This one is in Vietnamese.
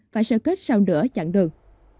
và sơ kết sau nữa chặn đường